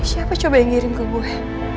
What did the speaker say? siapa coba yang ngirim ke gue